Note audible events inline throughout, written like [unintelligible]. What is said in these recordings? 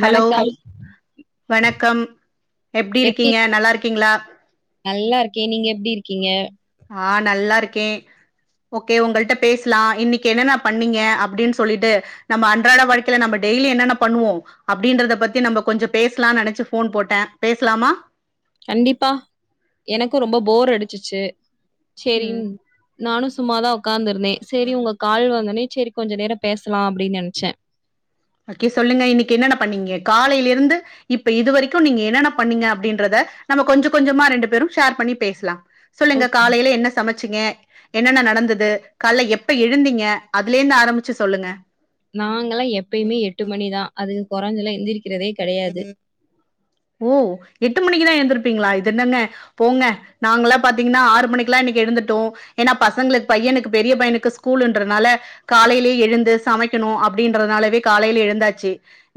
Hello வணக்கம் வணக்கம் எப்டி இருக்கீங்க நல்லா இருக் கீங்ளா நல்லா இருக்கே நீங்க எப்டி இருக்கீங்க ஆ நல்லா இருக்கே ஓகே உங்கள்ட்ட பேசலா இன்னக்கி என்னென்ன பண்ணீங்க அப்டின் சொல்லிட்டு நம்ம அன்றாட வாழ்க்கைல நம்ம டெய்லி என்னென்ன பண்ணுவோ அப்டின்றத பத்தி நம்ம கொஞ்சொ பேஸ்லான் நெனச்சு ஃபோன் போட்ட பேஸ்லாமா கண்டிப்பா எனக்கு ரொம்ப போர் அடிச்சிச்சு ம் சேரின் நானு சும்மாதா உக்காந்த்ருந்தே சேரி உங்க கால் வந்தொனே சேரி கொஞ்ச நேரொ பேசலா அப்டின் நெனச்ச ஓகே சொல்லுங்க இன்னக்கி என்னென்ன பண்ணீங்க காலைலேர்ந்து இப்ப இது வரைக்கு நீங்க என்னென்ன பண்ணீங்க அப்டின்றத நம்ம கொஞ்சக் கொஞ்சமா ரெண்டு பேரு ஷேர் பண்ணி பேஸ்லா சொல்லுங்க ஓகே காலையில என்ன சமச் ச்சிங்க என்னென்ன நடந்தது கால்ல எப்ப எழுந்தீங்க அதுலேந்து ஆரம்பிச்சு சொல்லுங்க நாங்கல்ல எப்பைமே எட்டு மணிதா அதுக்கு கொறஞ்சலா எந்திரக்கிறதே கடையாது ஓ எட்டு மணிக்குதா எந்திருப்பீங்களா இது என்னங்க போங்க நாங்கல்லா பாத்தீங்கன்னா ஆறு மணிக்குல்லா இன்னக்கி எழுந்துட்டோ ஏன்னா பசங்களுக் பையனுக்கு பெரிய பையனுக்கு ஸ்கூலுன்றனால காலைலே எழுந்து சமைக்கணு அப்டின்றதுனாலவே காலைல எழுந்தாச்சு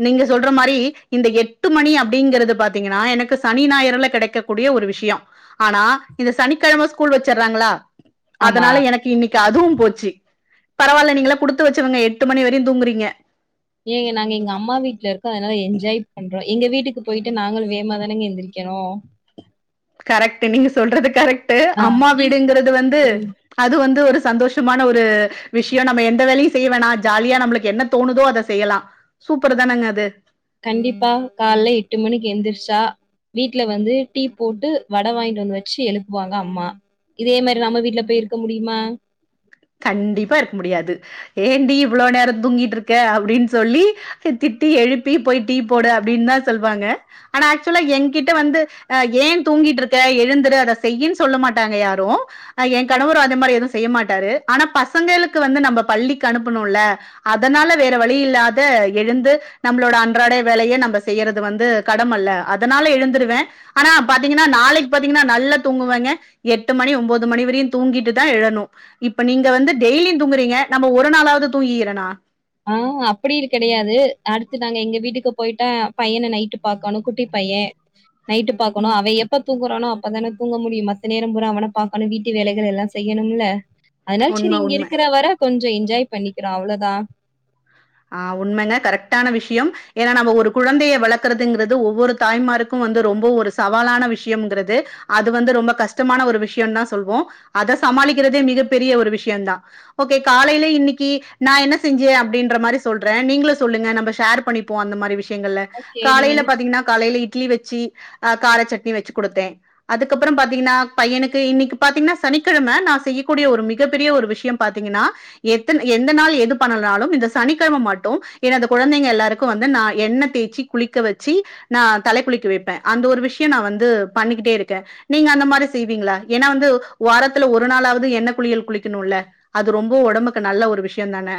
நீங்க சொல்ற மாரி இந்த எட்டு மணி அப் டிங்கிறது பாத்தீங்கன்னா எனக்கு சனி ஞாயற்ல கெடைக்கக்கூடிய ஒரு விஷியொ ஆனா இந்த சனிக்கெழமை ஸ்கூல் வச்சர்றாங்களா ஆமா அதனால எனக்கு இன்னக்கி அதுவும் போச்சு பரவால்ல நீங்களா குடுத்து வச்சவங்க எட்டு மணி வரையு தூங்குறீங்க ஏங்க நாங்க எங்க அம்மா வீட்ல இருக்கோ அதனால என்ஜாய் பண்றோ எங்க வீட்டுக்கு போயிட்டு நாங்களு வேமாதானங்க எந்திரிக்கணு கரெக்ட்டு நீங்க சொல்றது கரெக் ட்டு ஆ அம்மா நீங்க வீடுங்குறது வந்து அது வந்து ஒரு சந்தோஷமான ஒரு விஷ்யொ நம்ம எந்த வேலையு செய் வேணா ஜாலியா நம்மளுக்கு என்ன தோணுதோ அத செய்யலா சூப்பர் தானங்க அது கண்டிப்பா கால்ல எட்டு மணிக்கு எந்திரிச்சா வீட்ல வந்து டீ போட்டு வட வாய்ன்ட்டு வந்து வச்சு எழுப்புவாங்க அம்மா இதே மாரி நம்ம வீட்ல போய் இருக்க முடியுமா கண்டிப்பா இருக்க முடியாது ஏன்டீ இவ்ளோ நேரொ தூங்கியிட்ருக்க அப்டின் சொல்லி திட்டி எழுப்பி போய் டீ போடு அப்டின்தா சொல்வாங்க ஆனா ஆக்சுலா எங்கிட்ட வந்து அ ஏ தூங்கியிட்ருக்க எழுந்துரு அத செய்யின் சொல்ல மாட்டாங்க யாரு ஏ கணவரு அதே மாரி எதுவு செய்ய மாட்டாரு ஆனா பசங்களுக்கு வந்து நம்ம பள்ளிக்கு அனுப்பணுல்ல அதனால வேற வழி இல்லாத எழுந்து நம்மளோட அன்றாட வேலைய நம்ப செய்யறது வந்து கடமல்ல அதனால எழுந்துருவ ஆனா பாத்தீங்கன்னா நாளைக் பாத்தீங்கன்னா நல்லா தூங்குவேங்க எட்டு மணி ஒம்போது மணி வரையு தூங்கிட்டுதா எழணு இப்ப நீங்க வந்து டெய்லியு தூங்குறீங்க நம்ம ஒரு நாளாவ்து தூங்கிகிறனா ஆ அப்டியின் கெடையாது அடுத்து நாங்க எங்க வீட்டுக்கு போயிட்டா பையன நைட்டு பாக்கணு குட்டி பையே நைட்டு பாக்கணு அவ எப்ப தூங்குறானோ அப் ப்பதான தூங்க முடியும் மத்த நேரம் பூரா அவன பாக்கணு வீட்டு வேலைகள் எல்லா செய்யணும்ல அதுனால செரி உண்ம இங்க உண்ம இருக்குற வர கொஞ்சொ என் ஜாய் பண்ணிக்கிறோ அவ்ளோதா ஆ உண்மங்க கரெக்ட்டான விஷயம் ஏன்னா நம்ம ஒரு குழந்தைய வளக்குறதுங்குறது ஒவ்வொரு தாய்மாருக்கு வந்து ரொம்ப ஒரு சவாலான விஷயம்ங்குறது அது வந்து ரொம்ப கஷ்டமான ஒரு விஷயொந்தா சொல்வோ அத சமாளிக்கிறதே மிகப்பெரிய ஒரு விஷயந்தா ஓகே காலைல இன்னக்கி நா என்ன செஞ்சே அப்டின்ற மாரி சொல்ற நீங்களு சொல்லுங்க நம்ப ஷேர் பண்ணிப்போ அந்த மாரி விஷ் யங்கள ஓகே. நீங்க காலைல என்ன பாத்தீங்கனா காலையில இட் ட்லி வெச்சி அ கார சட்னி வச்சி குடுத்தே அதுக்கப்றம் பாத்தீங்கன்னா பையனுக்கு இன்னக்கு பாத்தீங்கன்னா சனிக்கிழம நா செய்யக்கூடிய ஒரு மிகப்பெரிய ஒரு விஷயம் பாத்தீங்கன்னா எத்தன எந்த நாள் எது பண்ணலனாலும் இந்த சனி [unintelligible] மாட்டோ ஏன்னா அந்த கொழந்தைங்க எல்லாருக்கும் வந்து நான் எண்ணெய தேச்சு குளிக்க வெச்சு நான் தலை குளிக்க வெப்பே அந்த ஒரு விஷயோ நா வந்து பண்ணிக்கிட்டே இருக்கே நீங்க அந்த மாதிரி செய்வீங்களா ஏன்னா வந்து வாரத்துல ஒரு நாளாவது எண்ணெய் குளியல் குளிக்கணோல அது ரொம்ப ஒடம்புக்கு நல்ல ஒரு விஷயோ தானே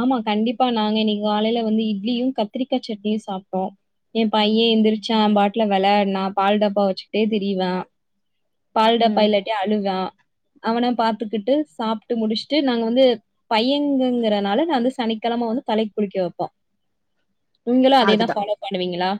ஆமா கண்டிப்பா நாங்க இன்னிக்கு காலைல வந்து இட்லியும் கத்திரிக்கா சட்னியு சாப்ட்டோ ஏ பைய எந்திரிச்சன் அவன்பாட்ல வெளாடினா பால் டாப்பா வெச்சுகிட்டே திரியுவா பால்டப்பா ம் இல்லாட்டி அழுவான் அவன பாத்துக்கிட்டு சாப்பிட்டு முடிச்சுட்டு நாங்க வந்து பையங்கங்கறதுனால நான் வந்து சனிக்கிழமை வந்து தலைக்கு குளிக்க வெப்போம் நீங்களும் அதுதான் அதேதா ஃபாலோ பண்ணுவீங்களா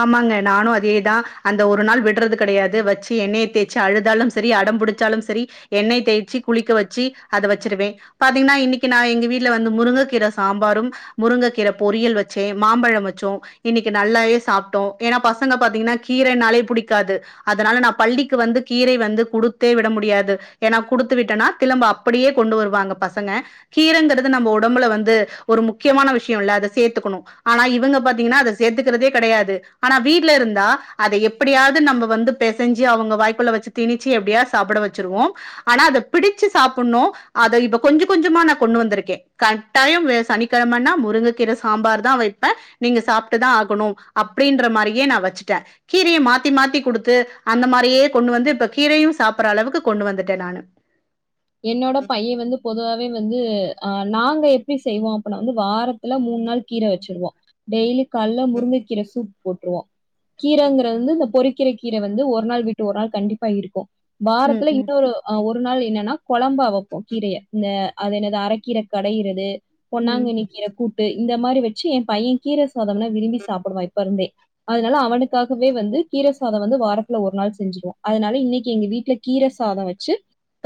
ஆமாங்க நானு அதேதான் அந்த ஒரு நாள் விடுறது கிடையாது வெச்சு எண்ணெயை தேய்ச்சு அழுதாலும் சரி அடம் பிடிச்சாலோ சரி எண்ணெய் தேய்ச்சு குளிக்க வெச்சு அதை வெச்சிருவேன் பாத்தீங்கன்னா இன்னிக்கு நான் எங்க வீட்ல வந்து முருங்கைக்கீரை சாம்பாரும் முருங்கைக்கீர பொரியல் வெச்சேன் மாம்பழம் வெச்சோம் இன்னிக்கு நல்லாவே சாப்பிட்டோ ஏன்னா பசங்க பாத்தீங்கன்னா கீரனாலே பிடிக்காது அதனால நா பள்ளிக்கு வந்து கீர வந்து குடுத்தே விட முடியாது ஏன்னா குடுத்து விட்டேனா திளம்ப அப்டியே கொண்டு வருவாங்க பசங்க கீரைங்கிறது நம்ம ஒடம்புல வந்து ஒரு முக்கியமான விஷயோ இல்ல அத சேத்துக்கணோ ஆனா இவுங்க பாத்தீங்கன்னா அத சேர்த்துக்கிறதே கிடையாது ஆனா வீட்டுல இருந்தா அத எப்படியாவது நம்ம வந்து பிசைஞ்சி அவங்க வாய்க்குள்ள வச்சு திணிச்சு எப்படியாவ சாப்பிட வச்சிருவோம் ஆனா அதை பிடிச்சு சாப்பிடணும் அதை இப்ப கொஞ்சம் கொஞ்சமா நான் கொண்டு வந்திருக்கேன் கட்டாயம் சனிக்கிழமைன்னா முருங்க கீர சாம்பார் தா வெப்பேன் நீங்க சாப்பிட்டுதா ஆகணோ அப்படின்ற மாதிரியே நான் வச்சுட்டேன் கீரைய மாத்தி மாத்தி குடுத்து அந்த மாதிரியே கொண்டு வந்து இப்ப கீரையும் சாப்புட்ற அளவுக்கு கொண்டு வந்துட்டேன் நானு என்னோட பையன் வந்து பொதுவாவே வந்து ஆஹ் நாங்க எப்படி செய்வோம் அப்படின்னா வந்து வாரத்துல மூணு நாள் கீரை வச்சிருவோம் டெய்லி கால முருங்கைக்கீரை சூப் போட்டுருவோம் கீரைங்கிறது வந்து இந்த பொறிக்கீரை கீரை வந்து ஒரு நாள் வீட்டு ஒரு நாள் கண்டிப்பா இருக்கோ ம் வாரத்துல ம் இன்னொரு ஒரு நாள் என்னன்னா கொழம்பா வைப்போம் கீரைய இந்த அது என்னது அரைக்கீரை கடையிறது ம் பொன்னாங்கன்னி கீரகூட்டு இந்த மாதிரி வச்சு என் பையன் கீரை சாதம்முனா விரும்பி சாப்பிடுவான் இப்ப இருந்தே அதனால அவனுக்காகவே வந்து கீரை சாதம் வந்து வாரத்துல ஒரு நாள் செஞ்சிருவோம் அதனால இன்னைக்கு எங்க வீட்டுல கீரை சாதோ வெச்சு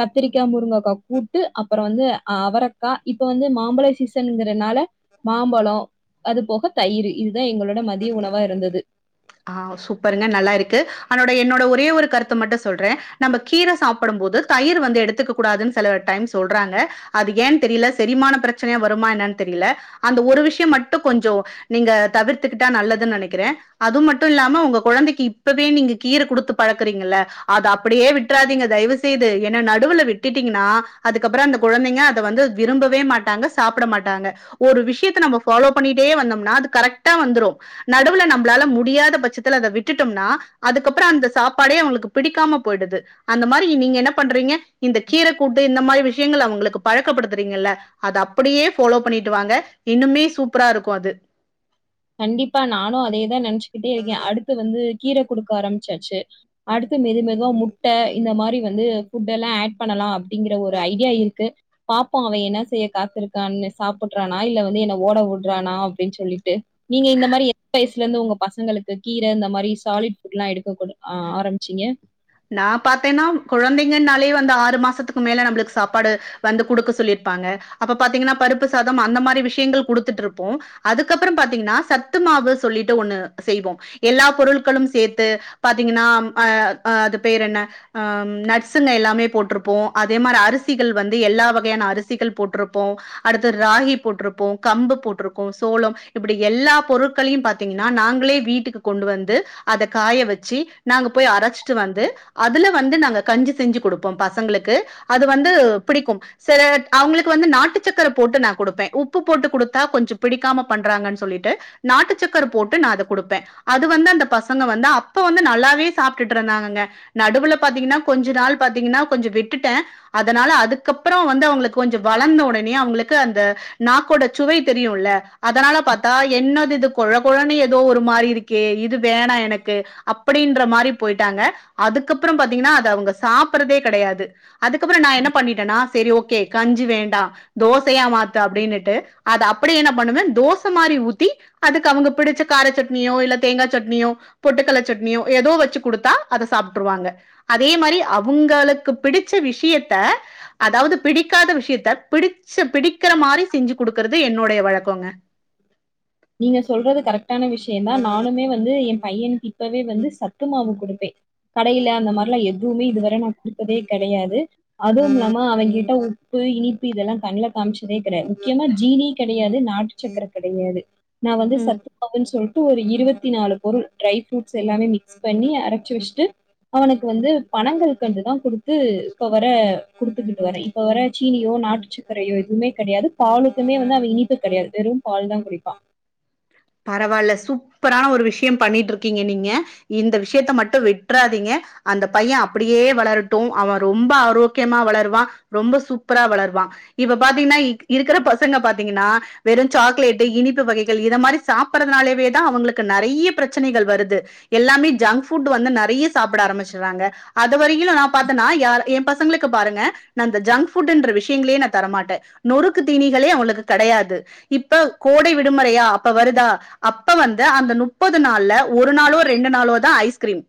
கத் கத்திரிக்காய் முருங்காக்காய் கூட்டு அப்புறம் வந்துஹ் அவரக்காய் இப்ப வந்து மாம்பழ சீசன்ங்கிறதுனால மாம்பழம் அது போக தயிர் இதுதான் எங்களோட மதிய உணவா இருந்தது ஆ சூப்பருங்க நல்லா இருக்கு அதனோட என்னோட ஒரே ஒரு கருத்தை மட்டும் சொல்ற நம்ம கீரை சாப்பிடும் போது தயிர் வந்து எடுத்துக்க கூடாதுன்னு சில டைம் சொல்றாங்க அது ஏன்னு தெரியல செரிமான பிரச்சனையா வருமா என்னன்னு தெரியுல அந்த ஒரு விஷயோ மட்டோ கொஞ்சோ நீங்க தவிர்த்துக்கிட்டா நல்லதுன்னு நெனைக்குறே அது மட்டும் இல்லாம உங்க கொழந்தைக்கு இப்பவே நீங்க கீரை குடுத்து பழக்கறீங்கல்ல அத அப்படியே விட்டுறாதீங்க தயவு செய்து ஏன்னா நடுவுல விட்டுட்டீங்கன்னா அதுக்கப்புறோ அந்த கொழந்தைங்க அதை வந்து விரும்பவே மாட்டாங்க சாப்பிட மாட்டாங்க ஒரு விஷயத்த நம்ம ஃபாலோ பண்ணிட்டே வந்தோம்னா அது கரெக்டா வந்துரோ நடுவுல நம் நளால முடியாத பட்சத்துல அதை விட்டுட்டோம்னா அதுக்கப்புறம் அந்த சாப்பாடே அவங்களுக்கு பிடிக்காம போயிடுது அந்த மாதிரி நீங்க என்ன பண்றீங்க இந்த கீரை கூட்டு இந்த மாதிரி விஷயங்கள் அவங்களுக்கு பழக்கப்படுத்துறீங்கல்ல அத அப்படியே ஃபாலோ பண்ணிட்டு வாாங்க இன்னுமே சூப்பரா இருக்கும் அது கண்டிப்பா நானும் அதேதான் நினைச்சுக்கிட்டே இருக்கேன் அடுத்து வந்து கீரை குடுக்க ஆரம்பிச்சாச்சு அடுத்து மெது மெதுவா முட்டை இந்த மாதிரி வந்து ஃபுட் எல்லாம் ஆட் பண்ணலாம் அப்படிங்கிற ஒரு ஐடியா இருக்கு பாப்போம் அவன் என்ன செய்ய காத்திருக்கான்னு சாப்பிடுறானா இல்ல வந்து என்னை ஓட விடுறானா அப்படின்னு சொல்லிட்டு நீங்க இந்த மாதிரி எந்த வயசுல இருந்து உங்க பசங்களுக்கு கீரை இந்த மாதிரி சாலிட் ஃபுட்லா எடுக்க ஆ ஆரம்பிச்சிங்க நான் பாத்தேன்னா கொழந்தைங்கனாலே வந்து ஆறு மாசத்துக்கு மேல நம்மளுக்கு சாப்பாடு வந்து கொடுக்க சொல்லியிருப்பாங்க அப்ப பாத்தீங்கன்னா பருப்பு சாதம் அந்த மாதிரி விஷயங்கள் குடுத்துட்டு இருப்போம் அதுக்கப்புறோ பாத்தீங்கன்னா சத்து மாவு சொல்லிட்டு ஒண்ணு செய்வோ எல்லா பொருட்களும் சேர்த்து பாத்தீங்கன்னா அ அது பேர் என்ன ஆ நட்ஸ்ங்க எல்லாமே போட்டிருப்போம் அதே மாதிரி அரிசிகள் வந்து எல்லா வகையான அரிசிகள் போட்டிருப்போம் அடுத்து ராகி போட்டிருப்போம் கம்பு போட்டிருப்போம் சோளம் இப்படி எல்லா பொருட்களையும் பார்த்தீங்கன்னா நாங்களே வீட்டுக்கு கொண்டு வந்து அதை காய வச்சு நாங்க போய் அரைச்ச வந்து அதுல வந்து நாங்க கஞ்சி செஞ்சு கொடுப்போம் பசங்களுக்கு அது வந்து பிடிக்கும் சில அவங்களுக்கு வந்து நாட்டு சக்கரை போட்டு நா கொடுப்பேன் உப்பு போட்டு கொடுத்தா கொஞ்சம் பிடிக்காம பண்றாங்கு சொல்லிட்டு நாட்டு சக்கர போட்டு நான் அத கொடுப்பேன் அது வந்து அந்த பசங்க வந்து அப்ப வந்து நல்லாவே சாப்பிட்டு [unintelligible] நாங்கங்க நடுவுல பாத்திங்கனா கொஞ்சநாள் பாத்திங்கன்னா கொச்ச விட்டுட்டேன் அதனால அதுக்கப்பரம் வந்து அவங்கு கொஞ்ச வளந்தவுடனே அவுங்களுக்கு அந்த ந்க்கோட சுவை தெரியுமுல அதனால பாத்தா என்னதிது கொலகொலனு ஏதோ ஒரு மாி இருக்கே இது வேணா எனக்கு அப்படின்ற மாதிரி போயிட்டாங்க அதுக்கப்புறம் பாத்தீங்கன்னா அது அவங்க சாப்பறதே கிடையாது அதுக்கப்புறம் நான் என்ன பண்ணிட்டேனா சரி ஓகே கஞ்சி வேண்டாம் தோசையா மாத்து அப்படின்னுட்டு அத அப்படிய என்ன பண்ணுவே தோச மாதிரி ஊத்தி அதுக்கு அவங்க பிடிச்ச கார சட்னியோ இல்ல தேங்காய் சட்னியோ பொட்டுக்கலை சட்னியோ ஏதோ வச்சு குடுத்தா அதை சாப்பிட்டுருவாங்க அதே மாதிரி அவங்களுக்கு பிடிச்ச விஷயத்த அதாவது பிடிக்காத விஷயத்த பிடிச்ச பிடிக்கிற மாதிரி செஞ்சு கொடுக்கறது என்னுடைய வழக்கங்க நீங்க சொல்றது கரெக்டான விஷயம்தான் நானுமே வந்து என் பையனுக்கு இப்பவே வந்து சத்துமவு கொடுப்பேன் கடையில அந்த மாதிரிலாம் எதுவுமே இதுவரை நான் கொப்பதே கிடையாது அதுவும் இல்லாம அவங்கிட்ட உப்பு இனிப்பு இதெல்லாம் கண்ல காமிச்சதே கிடையாது முக்கியமா ஜீனி கெடையாது நாட்டு சக் கற கெடையாது நான் வந்து ம். சத்து மாவுன்னு சொல்லிட்டு ஒரு இருபது பத்தி நாலு பொருள் ட்ரை ஃப்ரூட்ஸ் எல்லாமே மிக்ஸ் பண்ணி அரைச்சு வெச்சுட்டு அவனுக்கு வந்து பனங்கல்கண்டுதா குடுத்து இப்ப வர குடுத்துக்கிட்டு வரேன் இப்போ வர சீனியோ நாட்டுச்சக்கரையோ எதுவுமே கிடையாது பாலுக்குமே வந்து அவன் இனிப்பு கிடையாது வெறும் பால்தான் குடிப்பான் பரவாயில்ல சூப்பரான ஒரு விஷயம் பண்ணிட்டு இருக்கீங்க நீங்க இந்த விஷயத்த மட்டும் வெட்டுறாதீங்க அந்த பையன் அப்படியே வளரட்டும் அவன் ரொம்ப ஆரோக்கியமா வளருவான் ரொம்ப சூப்பரா வளருவான் இப்ப பாத்தீங்கன்னா இருக்கிற பசங்க பாாரத்தீங்கன்னா வெறும் சாக்லேட்டு இனிப்பு வகைகள் இதை மாதிரி சாப்பறதுனாவே தான் அவங்களுக்கு நிறைய பிரச்சனைகள் வருது எல்லாமே ஜங்க்ட் வந்து நிறைய சாப்பிட ஆரம்பிச்சறாங்க அது வரையில நாபாத்தனா என் பசங்களுக்கு பாருங்க நான் ஜங்க்ட விஷயங்களே நான் தரமாட்டேன் நொறுக்கு தீனிகளே அவங்களுக்கு கிடையாது இப்ப கோடை விடுமுறையா அப்ப வருதா அப்ப வந்து அந்த முப்பது நாள்ல ஒரு நாளோ ரெண்டு நாளோ தான் ஐஸ்கிரீம்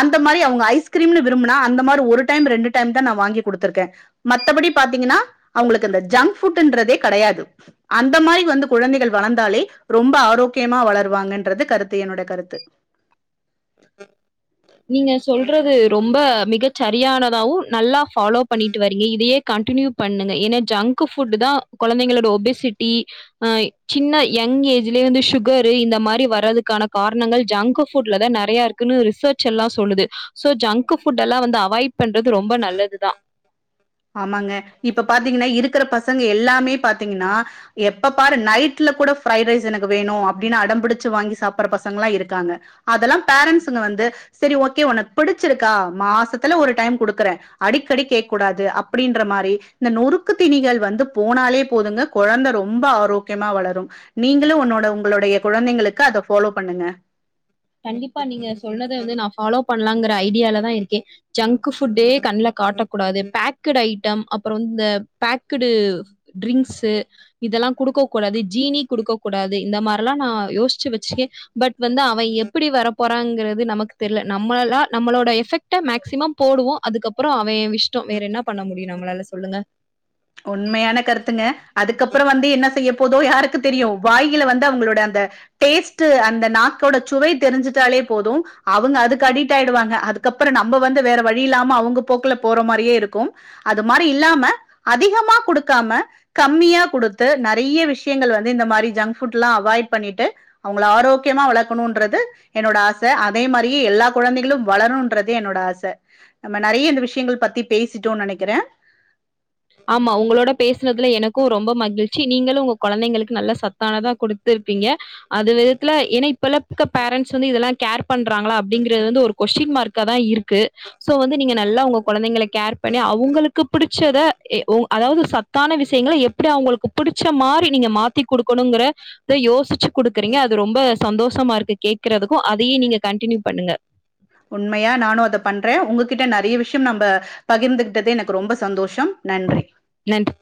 அந்த மாதிரி அவங்க ஐஸ்கிரீம்னு விரும்பினா அந்த மாதிரி ஒரு டைம் ரெண்டு டைம் தான் நான் வாங்கி குடுத்துருக்கேன் மத்தபடி பாத்தீங்கன்னா அவங்களுக்கு அ ஜங்க் ஃபுட்ன்றதே கிடையாது அந்த மாதிரி வந்து குழந்தைகள் வளர்ந்தாலே ரொம்ப ஆரோக்கியமா வளர்வாங்கன்றது கருத்து என்னோடைய கருத்து நீங்க சொல்றது ரொம்ப மிக சரியானதாவும் நல்லா ஃபாலோ பண்ணிட்டு வரீங்க இதையே கண்டினியூ பண்ணுங்க ஏன்னா ஜங்க்கு ஃபுட்தா குழந்தைங்களோட ஒபிசிட்டி ஆஹ் சின்ன யங் ஏஜ்லய வந்து சுகர் இந்த மாதிரி வர்றதுக்கான காரணங்கள் ஜங்க்கு ஃபுட் லதா நிறையா இருக்குன்னு ரிசர்ஜ் எல்லாம் சொல்லுது சோ ஜங்கு ஃபுட் எல்லாம் வந்து அவாய்ட் பன்றது ரொம்ப நல்லது தான் இருக்க பசங்க எல்லாமே பாத்தீங்கனா எப்ப பாரு நைட்ல கூட ஃப்ரைடு ரைஸ் எனக்கு வேணும் அப்டினு அடம்புடிச்சி வாங்கி சாப்புடுற பசங்களா இருக்காங்க அதுலா பேரன்ட்ஸ்ங்க வந்து செரி ஓகே உனக்கு புடிச்சிருக்கா மாசத்துல ஒரு டைம் குடுக்குற அடிக்கடி கேக் கூடாது அப் அப்டின்ற மாரி இந்த நொறுக்கு தீணிகள் வந்து போனாலே போதுங்க கொழந்த ரொம்ப ஆரோக்கியமா வளரும் நீங்களு உன்னோட உங்களுடைய கொழந்தைங்களுக்கு அத ஃபாலோ பண்ணுங்க கண்டிப்பா நீங்க சொன்னத வந்து நா ஃபாலோ பண்ணலாங்கிற ஐடியாலதா இருக்கே ஜங்கு ஃபுட்டே கண்ல காட்டக்கூடாது பேக்குடு ஐட்டம் அப்புறோ இந்த பேக்குடு ட்ரிங்க்சு இதெல்லா குடுக்க கூடாது ஜீனி குடுக்க கூடாது இந்த மாரிலா நா யோசிச்சு வச்சுக்கே பட் வந்து அவ எப் எப்டி வர போறாங்கிறது நமக்கு தெரில நம்மளா நம்மளோட எஃபெக்ட்ட மேக்சிமம் போடுவோம் அதுக்கப்புறம் அவன் இஷ்டோம் வேற என்ன பண்ண முடியும் நம்மளால சொல்லுங்க உண்மையான பொதுவா யாருக்கு தெரியும் வாயில வந்து அவுங்களோட அந்த டேஸ்ட்டு அந்த நாக்கோட சுவை தெரிஞ்சுட்டாலே போதும் அவுங்க அதுக்கு அடிட்டாயிடுவாங்க அதுக்கப்புறம் நம்ம வந்து வேற வழி இல்லாம அவுங்க போக்குல போற மாரியே இருக்கும் அது மாரி இல்லாம அதிகமா குடுக்காம கம்மியா குடுத்து நிறைய விஷயங்கள் வந்து இந்த மாரி ஜங்க் ஃபுட் லாம் அவாய்ட் பண்ணிட்டு அவுங்களை ஆரோக்கியமா வளர்க்கணோன்றது என்னோட ஆச அதே மாரியே எல்லா கொழந்தைகளும் வளர்ணோன்றதே என்னோட ஆச நம்ம நிறைய இந்த விஷயங்கள் பத்தி பேசிட்டோம் நினைக்குற ஆமா உங்களோட பேசுனதுல எனக்கும் ரொம்ப மகிழ்ச்சி நீங்களும் உங்க கொழந்தைங்களுக்கு நல்ல சத்தானதா குடுத்துருப்பீங்க அது விததுல ஏனா இப்ப உல்லக்க பேரண்ட்ஸ் வந்து இதெல்லாம் கேர் பண்றாங்களா அப்டிங்கறது வந்து ஒரு கொஸ்டின் மார்க்கா தா இருக்கு சோ வந்து நீங்க நல்லா உங்க கொழந்தைங்க கேர் பண்ணி அவுங்களுக்கு பிடிச்சத எ உ அதாவது சத்தான விஷயங்களை எப்டி அவுங்களுக்கு பிடிச்ச மாரி நீங்க மாத்தி குடுக்கணுங்கறத யோசிச்சு குடுக்குறீங்க அது ரொம்ப சந்தோசமா இருக்கு கேக்குறதுக்கும் அதையே நீங்க கண்டினியூ பண்ணுங்க உண்மையா நானும் அத பண்ற உங்ககிட்ட நிறைய விஷயம் நம்ம பகிர்ந்துகிட்டதே எனக்கு ரொம்ப சந்தோஷம் நன்றி நன்றி